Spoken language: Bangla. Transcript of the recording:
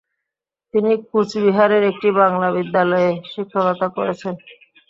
তিনি কুচবিহারের একটি বাংলা বিদ্যালয়ে শিক্ষকতা করেছেন।